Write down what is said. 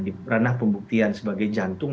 di ranah pembuktian sebagai jantung